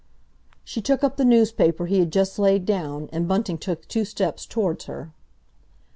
She took up the newspaper he had just laid down, and Bunting took two steps towards her.